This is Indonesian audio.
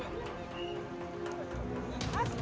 untuk pengusut tuntas